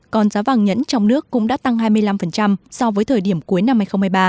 còn giá vàng nhẫn trong nước cũng đã tăng hai mươi năm so với thời điểm cuối năm hai nghìn hai mươi ba